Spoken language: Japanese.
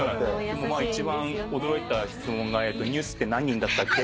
でも一番驚いた質問がＮＥＷＳって何人だったっけ？